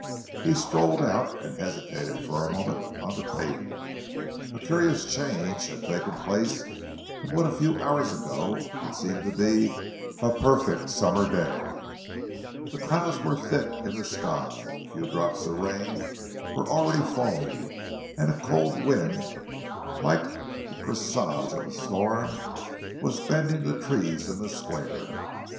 He strolled out and hesitated for a moment on the pavement. A curious change had taken place in what a few hours ago had seemed to be a perfect summer day. The clouds were thick in the sky, a few drops of rain were already falling, and a cold wind, like the presage of a storm, was bending the trees in the square.